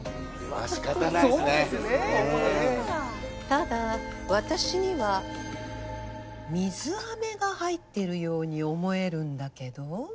ただ私には水あめが入ってるように思えるんだけど。